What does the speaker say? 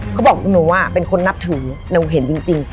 เขาบอกว่าเป็นคนนับถือแล้วเห็นจริง